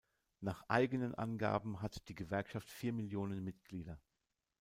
Nach eigenen Angaben hat die Gewerkschaft vier Millionen Mitglieder.